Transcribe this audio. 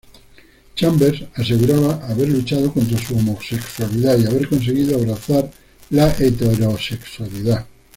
Chambers aseguraba "haber luchado contra su homosexualidad" y "haber conseguido abrazar la heterosexualidad.